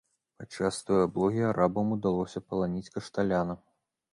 Падчас той аблогі арабам удалося паланіць кашталяна.